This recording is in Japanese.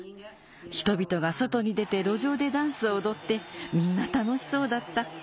人々が外に出て路上でダンスを踊ってみんな楽しそうだった。